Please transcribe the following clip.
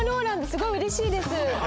すごいうれしいです。